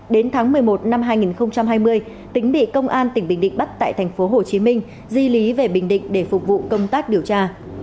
đến tháng một mươi một năm hai nghìn hai mươi tính bị công an tỉnh bình định bắt tại thành phố hồ chí minh di lý về bình định để phục vụ công tác điều tra